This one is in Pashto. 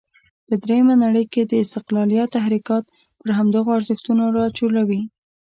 په درېمه نړۍ کې د استقلالیت تحرکات پر همدغو ارزښتونو راچورلوي.